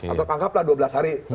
atau tangkaplah dua belas hari